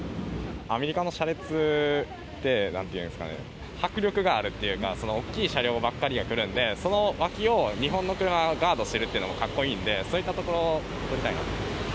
アメリカの車列って、なんていうんですかね、迫力があるっていうか、大きい車両ばっかりが来るんで、その脇を日本の車がガードしてるっていうのもかっこいいんで、そういったところを撮りたいなと。